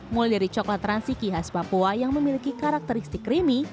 mulai dari coklat transiki khas papua yang memiliki karakteristik creamy